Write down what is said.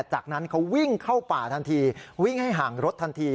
จากนั้นเขาวิ่งเข้าป่าทันทีวิ่งให้ห่างรถทันที